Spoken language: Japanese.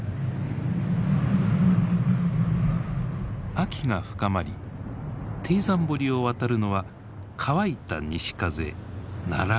秋が深まり貞山堀を渡るのは乾いた西風ナライ。